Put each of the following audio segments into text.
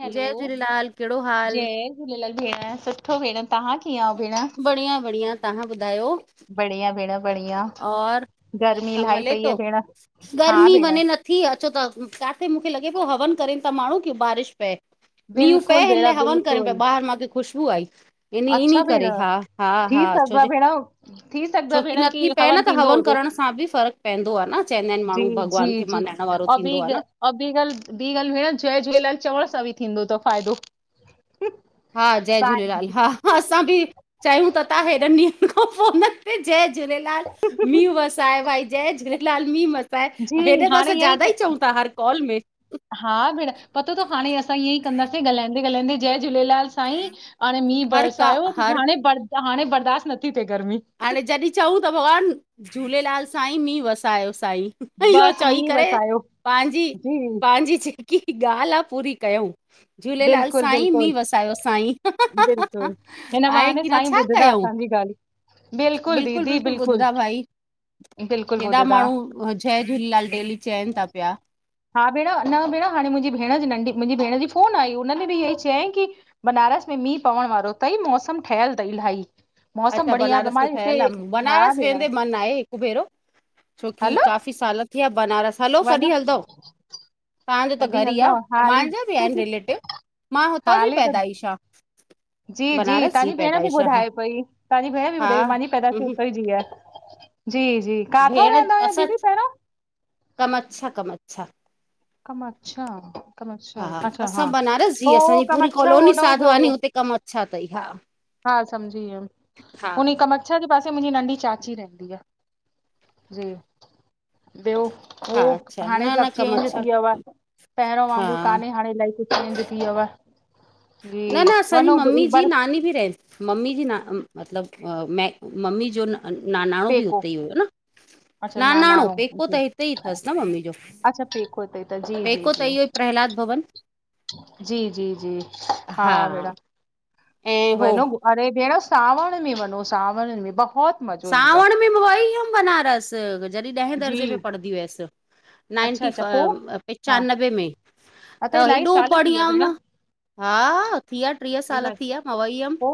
Hello जय झूलेलाल कहिड़ो हाल। जय झूलेलाल भेण सुठो भेण तव्हां कीअं आहियो भेण। बढ़ियां बढ़ियां तव्हां ॿुधायो। बढ़िया भेण। बढ़िया और गर्मी कमु इलाही हले पई आहे तो भेण हा गर्मी भेण वञे न - - थी अचो त तव्हां खे मूंखे लॻे पियो हवन करन था माण्हू कि बारिश पए। मींहु बिल्कुलु पए हिन भेण लाए हवन करनि पिया बिल्कुलु ॿाहिर मूंखे खुशबू आई। इन ई इन ई अच्छा भेण करे हा हा थी हा छो सघदो आहे जे भेण थी सघदो आहे छोकि न। भेण की ऐं न त थींदो हवन हुजे करण सां बि फर्क पवंदो आहे न चवंदा आहिन माण्हू भॻवान खे मनाइण वारो बि थींदो आ न। ऐं ॿी ॻाल्ह ॿी ॻाल्ह भेण जय झूलेलाल चवण सां बि थींदो अथव फ़ायदो। हा जय झूलेलाल हा हा असां बि चाहियूं त अथा हेॾन ॾींहन खां पोइ न। जय झूलेलाल मींह वसाए भाई जय झूलेलाल मींह वसाए। जी त हेॾे त हाणे असां ईअं ज्यादा ई चऊं था हर कॉल में। हा भेण पतो तव हाणे असां ईअं ई कंदासीं ॻाल्हाईंदे ॻाल्हाईंदे जय झूलेलाल। साईं हाणे मींह हर का बरसायो हर हाणे बर हाणे बर्दाश्त न थी थिए गर्मी। हाणे जॾहिं चऊं त भॻवान झूलेलाल साईं मींह वसायो साईं। इहो बसि चई मींहुं करे वसायो पंहिंजी जी पंहिंजी जेकी ॻाल्ह आ पूरी कयूं। झूलेलाल बिल्कुलु साईं बिल्कुलु मींह वसायो साईं आहे की न छा। बुधंदा कयूं असांजी ॻाल्ह बिल्कुल बिल्कुलु दीदी बिल्कुलु बिल्कुल ॿुधदा भाई बिल्कुल ॿुध हेॾा - - माण्हू जय झूलेलाल डेली चयन था पिया। हा भेण न भेण हाणे मुंहिंजी भेण जी नंढी मुंहिंजी भेण जी फोन आई हुनन बि इह ई चयईं की - - बनारस में मींहुं पवण वारो तई मौसम ठहियल अथई इलाही। मौसम अच्छा बढ़िया आहे बनारस मां में हिते ठहियल आहे हा बनारस भेण वेंदे मन आहे हिकु भेरो। छोकी हलो काफ़ी साल थिया बनारस हलो वञो कॾहिं हलंदव। तव्हांजो त कॾहिं घर ई आहे हलंदव हाली मुंहिंजा बि आहिन रिलेटिव मां हुतां जी हाली त पैदाइश आहियां। जी जी तव्हांजी भेण बि आ हा ॿुधाए पई। तव्हांजी भेण बि हा ॿुधाई मुंहिंजी पैदाइश बि हम्म उताऊं जी आ जी जी काथ‌ऊं भेण रहंदा हुयव असां दीदी पहिरियों। कम अच्छा कम अच्छा। कमच्छा कमच्छा हा अच्छा हा असां बनारस जी ओ असांजी पूरी कमच्छा कॉलोनी होॾो साधवानी जो हुते कम - - छा अथई हा? हा समझी वियम हा उन ई कम असांजे पासे मुंहिंजी नंढी चाची रहंदी आहे। जी ॿियो? उहो हा अच्छा हाणे न न सभु कम चेंज थी अच्छा वियो आहे पहिरियों हा वांगुरु कान्हे हाणे लाईफ स्टाइल चेंज थी वियो आ। न- न असांजी मम्मी जी बार नानी बि रहीन मम्मी जी ना मतिलब म मम्मी जो नानाणो बि पेको हुते ई हुयो न? अच्छा नानाणो पेको जी त हिते ई अथसि न मम्मी जो अच्छा पेको ते त जी जी पेको जी त इहो ई प्रहलाद भवन। जी -जी -जी हा भेण ऐं हो वञो? अरे भेण सावण में वञो सावण में बहुत मज़ो ईंदो। सावण में बि वई हुअमि बनारस जॾहिं ॾहें जी दर्जे में पढ़ंदी हुअसि। अच्छा नाइंटी अच्छा फ पो अ हा पंचानवे में। हा त इलाही हेॾो साल थी पढ़ी विया भेण हुियमि हा थी विया टीह साल इलाही थी विया मां वई हुयमि। पो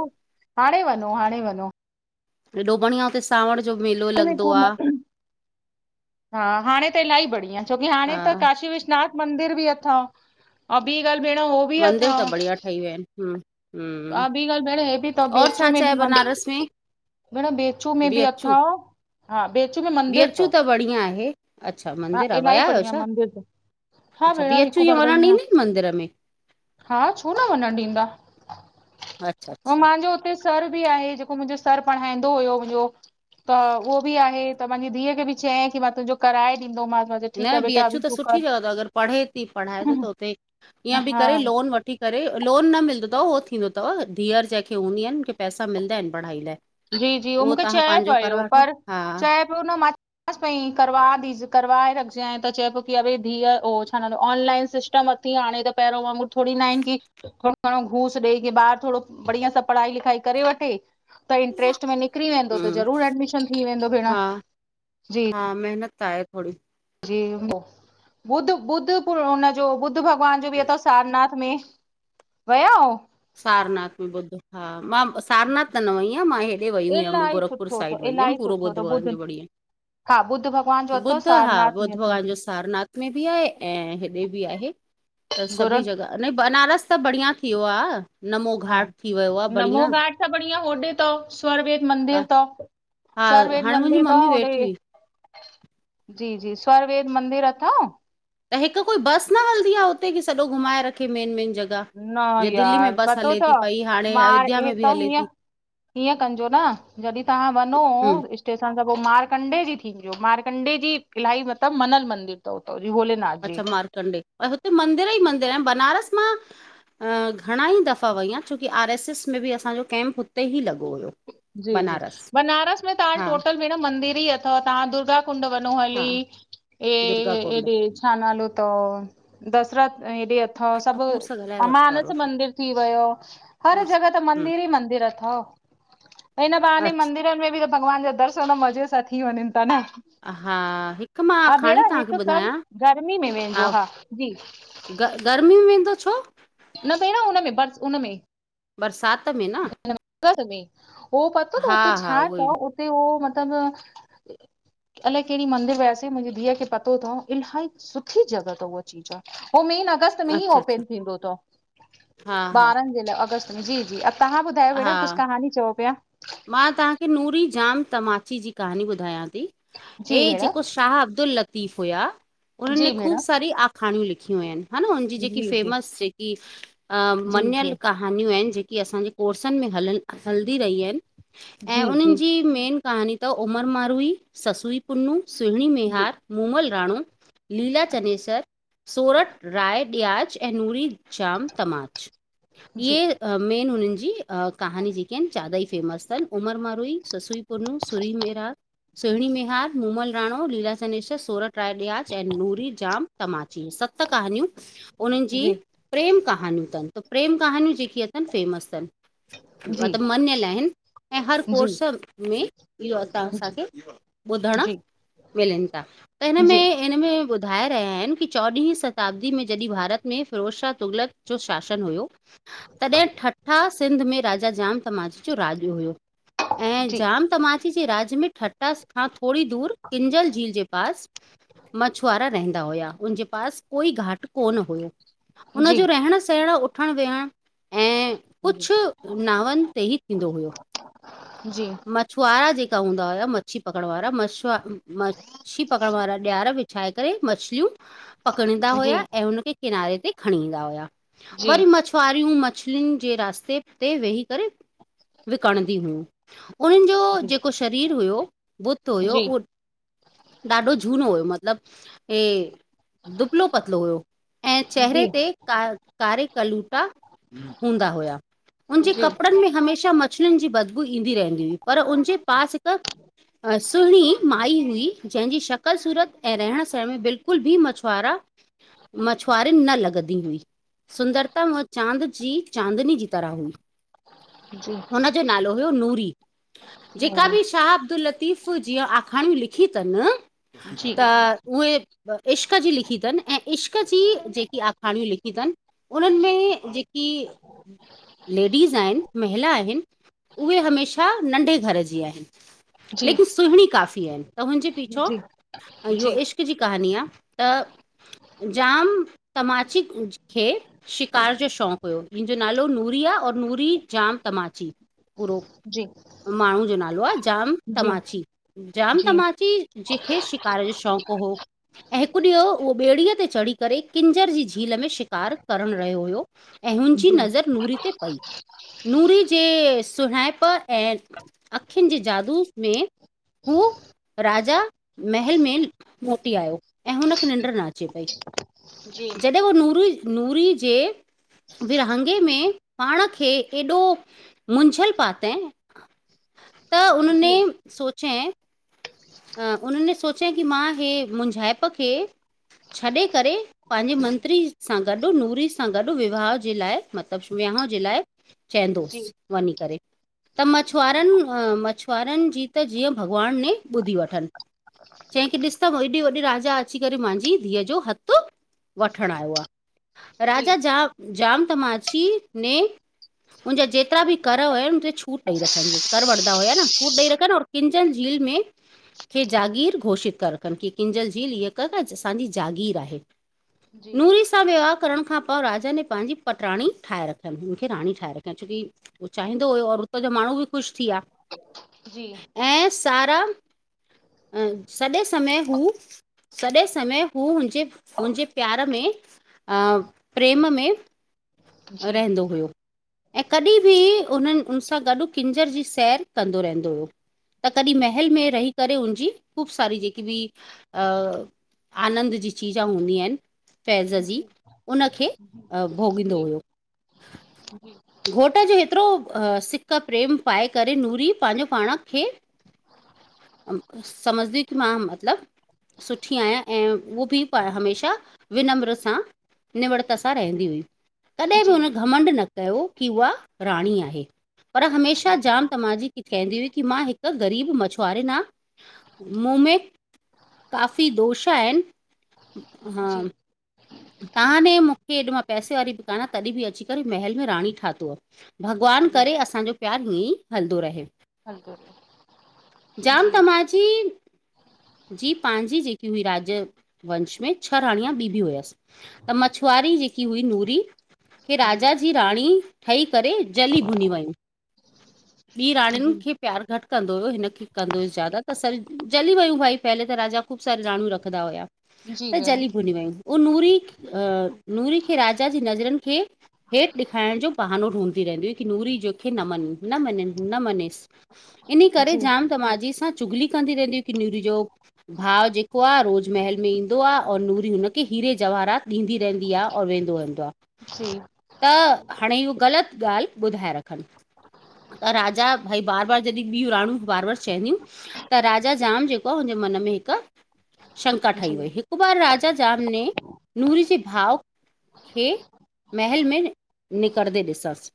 हाणे वञो हाणे वञो। हेॾो बढ़िया हुते सांवण जो मेलो हाणे में लॻंदो को आ। म- हा हाणे त इलाही बढ़िया छोकी हाणे हा त काशी विश नाथ मंदिर बि अथव आऊं ॿी ॻाल्हि भेण हो। बि मंदिर अथव त बढ़िया ठही विया आहिनि हूं। हा, ॿी ॻाल् भेण। हे बि त छा अचूं में छा आहे घूमन बनारस में भेण बि अचूं मे बि अथव? हा बि अचूं में म बि अचूं त बढ़िया आहे। अच्छा हा मंदिर आहे? इलाही विया आहियो बढ़िया छा? मंदिर अथव हा असां ॿीं भेण अचूं? हिकु ईऐं बार वई वञणु ॾींदा आहियां, आहिनि मंदिर में? हा छो न वञणु ॾींदा? अच्छा अ अच्छा मुंहिंजो उते सर बि आहे जेको मुंहिंजो सर पढ़ाईंदो हुयो उहो त उहो बि आहे, कि मुंहिंजी धीउ खे बि चयईं की मां तुंहिंजो किरायो ॾींदोमांस। न बि अचूं त सुठी अथव। अगरि पढ़े थी पढायोस थो, त उते किअं बि करे हा लोन वठी पर लोन न मिलंदो अथव, उहो थींदो अथव, धीअर जंहिंखे हूंदी आहिनि उखे पैसा मिलंदा आहिनि पढ़ाई लाइ। जी- जी उहो मूंखे तव्हां चए पंहिंजो करे पियो, वठो पर हा चए पियो न मां बस बई कर्वा दीजीय, कर्वाइे रखज, त चएीअ पेयो कि अरे दीअ ओ छा नालो ऑनलन सेश स्ट मथी आाणे त पहिरं वांगुरु थोरी ना आहिनि की थोरो घणो घूस ॾेई की ॿार थोरो बढ़िया सां पढ़ाई लिखाई करे वठे त इन्टरेशट में निकिरी वेंदो त हम्म ज़रूर एडमिशन थी वेंदो भेण। हा हा महिनत त आहे थोरी। जेपो बुध- बुध पूरो हुनजो, बुद्ध भॻवान जो बि अथव सारनाथ। में वया हो? सारनाथ में बुद्ध हा, मां। सारनाथ त न वई आहियां मां हे हिते वई हुमि, इलाही गोरखपुर सुठो अथव साइड वई हुमि, इलाही पूरो सुठो बुद्ध अथव भगवान ॿुध जो बढिया हा। बुद्ध भगवान बुद्ध हा बुद्ध भॻवान जो सारनाथ में बि आहे। ऐं हेॾे बि आहे। अब सभी गुरूनि जॻह अपनी न बनारस त बढ़िया थी वियो आहे। नमो घाट थी वियो आहे बढ़िया। सबखां बढिया होॾे त स्वरवेद मंदिर तव, हा स्वरवेद हाणे मुंहिंजी मंदिर त मम्मी होॾे वेठी हुई जी -जी स्वर वेद मंदिर अथव? त हिकु कोई बस न हलंदी आहे? हुते जीय सॼो घुमाए रखे मेन मेन जॻ न यार पतो तव पई हाणे मांर अयोध्या में हेत बि हले हीअं थी ईीअं कजो न, जॾहिं तव्हां वञो हम्म स्ट तेखा पो मारकंडे जी थींदी, मारकंडे जी इलाही मतब मनन मंदिर तव उथोजी बोले अच्छा मारकंडे? हुते मंदीर ई मंदिर आहिनि बनारस मां अ घणा ई दफ़ा वई आया। छोकी आर एस एस में बि असाजो कैम्प हुते ही लॻो हुयो। जी, जी बनारस बनारस में तव्हां हा टोटल भेण। मंदिर ई अथव तव्हां दुर्गा कुड वञो हली। हा दुर्गा कुंड इॾ छानवालो त दशराथ हेॾे अथव सभु अपूर सां ॻाल्हाए वठो अमानस वारो मंदिर थी वियो। हर जॻह त हम्म मंदिर ई मंदिर अथव। त हिन बाहाने अच्छा मंदिरन में बित भॻवान जा दर्शन मज़े सां थी वञनि था न? हा हिकु मां हा, हाणे भेणा तव्हांखे हिकु कम ॿुधायां गर्मी में वेदो हा जी। ग गर्मी में वेंदो छो? न बेण हुनमें बर्स बरसाति में न हुनमेंही----हुन मे [unintelligible] में हो पतो त हा हुते हा छा उहो ई चओ उते होह मतलबु [unintelligible] इलाही कहिड़ी मंदिर वयासे मुंहिंजी धीउ खे पतो अथव इलाही सुठी जॻह अथव उहा जीजा। ओ मैन अगस्त। अगस्त मैं ही अच्छा अच्छा ओपन थींदो अथव, हा हा ॿारन जे लाई। अगस्त मै जी, जी तव्हा बूद चओ हा बेण कुछ कहानी चओ पया। मां तव्हांखे नूरी जाम तमाची जी कहानी ॿुधायां थी। जी हे भेण जेको शाह अब्दुल लतीफ हुआ। उन्हनि जी भेण खूब सारी आखाणियू लिखियू आहिनि। हा। न हुनजी जेकी जी जी फेमस जेकी अ जी मञल जी का कहानियूं आहिनि। जेकी असाजे कोर्सनि में हलनि, हलंदी रहीयू आहिनि। ऐं उन्हनि जी मेन कहानी त उमर मारूईी, ससुई पुनू, सुहिणी जी मेहार। मूमल राणो, लीला चनेसर, सोरठ राय ॾियाज, ऐं नूरी। शाम तमाच, जी जी इहे अ मेन हुननि जी अ कहानी जेकेअं चारई फेमस तन, उमर मारूई, ससुई पुनू सुरी मेरार सुहिणी मेहार, मूमल राणो, लीला चनेश्र, सोरठ रायडियाज ऐं नूरी जाम। तमाची, सत कहानियूं उन्हनि जी प्रेम कहानियूं तन त प्रेम कहानियूं जेकी अथनि फ़ेमस अथनि जी जी मतलब मञयल आहिनि। ऐं हर जी जी जी कोर्स में, इहो अर्थ असांखे ॿुधण मिलनि ता, त हिन जी जी जी जी में? हिन में ॿुधाए रहिया आहिनि कि चोॾहीं शताब्दी में जॾहिं भारत में फ़िरोजशा तुगलक जो शासन हुयो, तॾहिं ठठा सिंध में राजा जाम तमाच जो राज जी जी ऐैं जा तमांच जे राज में ठठा खां थोड़ी दूरि, किंजल झील जे पास मछुआरा रहंदा हुया, उनजे पास कोई घाट कौन हुयो। उनजो रहण, सहण, उठण, वेहण। ऐं, कुछु नावनि ते ई थींदो हुयो। जी। मछुआरा जेका हूंदा हुया मच्छी पकड़ वारा मछुआ म मछली पकड़ वारा ॾियार विछाए करे मछलियूं। पकड़ीदा हुया ऐं हुनखे किनारे ते खणी ईंदा हुया। वरी मछ फारियूं मछलियुनि जे रास्ते ते वेही करे, विकणंदी हुयू उन्हनि जो जी जेको शरीर हुयो, बुत हुयो जी जी जी जी जी जी उ ॾाढो झूनो हुयो मतलबु ए दुबलो पतलो हुयो, ऐं चेहरे ते कारि कारिक कलूटा हूंदा हुया, उनजे कपड़न में हमेशा म मच्छलिन जी बदबू ईंदी रहंदी हुई पर हुनजे पास हिक, अ सुहिणी माई हुई। जंहिंजी शकल सूरत ऐं रहण-सहण में बिल्कुल बि मछुआरा मछुआरिन न लॻंदी हुई। सुंदरतम चाॅंद जी चांदनी जी तरह हुई। हुन जो नालो हुयो नूरी, जेका बि शाह अब्दुल लतीफ़ जीअं आखाणियूं लिखियूं तन त उहे इश्क जी लिखी तन ऐं इश्क जी जेकी आखाणियूं लिखी तन उन्हनि में जेकी लेडीज आहिन, महिला आहिन, उहे हमेशा नंढे घर जी आहिन। लेकिन सुहिणी काफ़ी आहिन त हुनजे पीछो, अय इहो इशक इश्क जी कहानी आ त जाम तमाची खे शिकार जो शौंक़ हुयो, जिंजो नालो नूर प्रिया और नूरी जाम तमाची पूरो जी माण्हूं जो नालो आ जाम जी तमाची जाम जी तमाची जेंखे शिकार जो शौंक़ हो, ऐं हिक ॾींहं उहो ॿेड़ीअ ते चढ़ी करे किंजर जी झील में शिकार करण रहियो हुयो, ऐं हुन जी नज़र नूरी ते पई, नूरी जे सुहड़ाइप ऐं, अखियुन जे जादू में हू राजा, महल में उथी आयो ऐं हुनखे निंड्र न अचे पई, जी जॾहिं उहो नूरी, नूरी जे विरहांंगे में पाण खे एॾो, मुंझल पातइ त जी सोचें हा उनिने सोचई की मां हे मुनजाइप खे छॾे करे पांजी मंत्री सां गॾ नूरी सां गॾ विवाह जे लाइ मतिलब विहाउ जे लाइ जी चंयदोस जी वञी करे त मछुआरन मछुआरन जी त जीअं भॻवान ने ॿुधी वठन चे की ॾिस त हेॾी राजा अची करे मांजी धीअ जो हथ वठण आयो आ जी राजा जाम जाम तमा ची ने हुनजा जेतरा भी कर हुयन त छूट ॾेई रखन जी कर वठंदा हुया न छूट ॾेई रखन और किंजन झील में खे जागीर घोषित कर रखन की किंजल झील हीय कर असांजी जागीर आहे। जी जी नूरी सां विवाह करण खां पो राजा ने पांजी पटराणी ठाहे रखन हुनखे राणी ठाहे रखन छोकी हू चाहींदो हुयो और हुतां जा माण्हू भी ख़ुश थी वया। जी ऐं सारम ऐं सॼे समय हू सॼे समय हू हुनजे हुनजे प्यार में प्रेम में। जी रेंदो हुयो। ऐं कॾी बी उन उन सां गॾ किंजर जी सैर कंदो रेंदो हो। त कॾी महल में रही करे उनजी ख़ूब सारी जेकी बि अ। आनंद जी चीजां हूंदी आहिन फैज़ जी उनखे भोॻींदो हुयो। [inaudible] घोट जे हेतिरो सिक प्रेम पाए करे नूरी पंहिंजो पाण खे समझदी कि मां मतलब सुठी आहियां ऐं उहो बि हमेशा विनम्र सां निवड़ता सां रहंदी हुई। कॾहिं बि जी हुन घमंड न कयो की उहा राणी आहे पर हमेशा जाम त मा जी खे केंदी हुई कि मां हिक ग़रीब मछुआरे मां मूं में काफ़ी दोष आहिन जी हां तव्हां ने मूंखे हेॾ मां पैसे वारी भी कान आहियां। तॾहिं बि अची करे महल में राणी ठातो। भॻवान जी हलको जी करे असांजो प्यारु ईंअ ई हलदो रहे। हल करो। जाम जी त माजी जी पाहिंजी जेकी हुई राज्य वंश में छह राणियां ॿी भी हुयसि। त मछुआरी जेकी हुई नूरी हे जी राजा ही राणी ठही करे जली भुनी वयूं ॿी राणियुनि खे प्यारु घटि कंदो हुयो हिन खे कंदो हुअसि ज्यादा त स जली वयूं भई पहले त राजा ख़ूब सारी राणियू रखंदा हुया। जी त भेण जली भूनी वयूं उह नूरी अ नूरी खे राजा जी नज़रनि खे हेठि ॾेखारण जो बहानो ढूंढ रहंदी हुई की नूरी जो खे न मने न मञे न मञेसि इनी करे जी जाम त माजी सां चुगली कंदी रहंदी हुई की नूरी जो भाउ जेको आहे रोज महल में ईंदो आ और नूरी हुनखे हीरे जवाहरात ॾींदी रहंदी आ और वेंदो हलदो आ। जी जी त हाणे इहो ग़लत ॻाल्हि ॿुधाए रखनि। त राजा भई बारु-बारु जॾहिं ॿियूं राणू बारु- बारु चवंदियू त राजा जाम जेको आहे हुनजे मन में हिक शंका ठही वई। हिक बार राजा जाम ने नूरी जे भाउ खे महल में निकरदे ॾिसस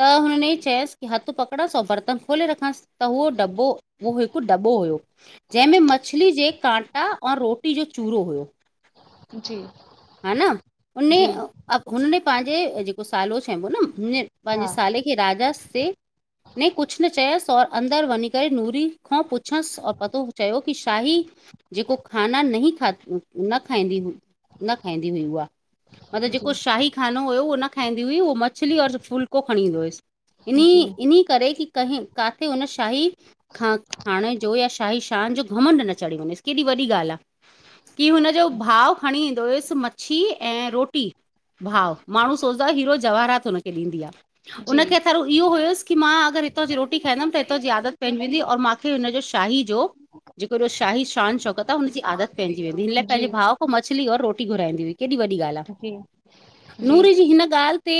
त हुनेई चयस की हथ पकड़ोस ऐं बर्तन खोले रखांसि त हुओ डॿो, हुओ हिकु डॿो हुयो जंहिंमें मछली जे कांट टा ऐंऔ रोटी जो चूरो हुयो। जी हा न उन जी हुनने पाहंजे जेको सालो चइबो न हुने हा पंहिंजे साले खे राजा स् ते ने कुझु न चयसि और अंदरि वञी करे नूरी खां पुछसि और पतो चयो की शाही? जेको खाना नहीं खात्, न खाईंदी हुई! न खाईंदी हुई उहा, मतिलब जी जेको जी शाही खानो हुयो उहो न खाईंदी हुई! उहो मछली और फुल्को खणी ईंदो हुयस इनि-इनि करे की कहीं काथे हुन शाही खां खाणे जो या शाही शान जो घमंड न चढ़े वञेसि, केॾी वॾी ॻाल्हि आहे। की हुनजो भाउ खणी हुयुसि मच्छी ऐं रोटी, भाउ माण्हू सोचदो हीरो जवाहरात हुनखे ॾींदी आहे। जी उनखे त रु इहो हुयसि की मां अगर हितां जी रोटी खाईंदमि त हितां जी आदत पइजी वेंदी और मांखे हुनजो शाही जो जेको हेॾो शाही शान-शौकत आहे, हुनजी आदत पइजी वेंदी हिन लाइ पंहिंजे जी भाउ मछली और रोटी घुराईंदी हुई। केॾी वॾी ॻाल्हि जी आहे। नूरी जी हिन ॻाल्हि ते